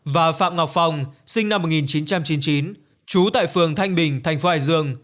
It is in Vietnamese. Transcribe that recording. và phạm ngọc phong sinh năm một nghìn chín trăm chín mươi chín trú tại phường thanh bình thành phố hải dương